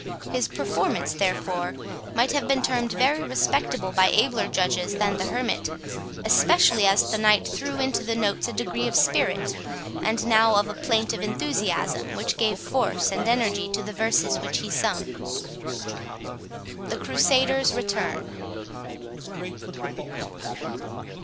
His performance, therefore, might have been termed very respectable by abler judges than the hermit, especially as the knight threw into the notes now a degree of spirit, and now of plaintive enthusiasm, which gave force and energy to the verses which he sung. THE CRUSADER'S RETURN.